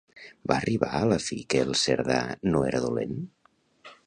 Va arribar a la fi que el Cerdà no era dolent?